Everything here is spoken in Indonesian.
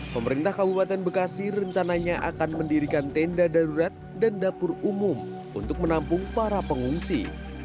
pemerintah kabupaten bekasi rencananya akan mendirikan tenda darurat dan dapur umum untuk menampung para pengungsi